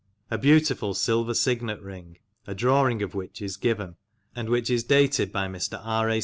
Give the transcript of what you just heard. A beautiful silver signet ring, a drawing of which is given, and which is dated by Mr. R. A.